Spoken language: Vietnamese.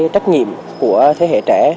trách nhiệm của thế hệ trẻ